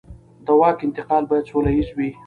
د واک انتقال باید سوله ییز وي